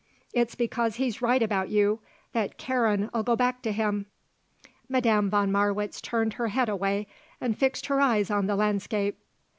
It's because he's right about you that Karen'll go back to him." Madame von Marwitz turned her head away and fixed her eyes on the landscape.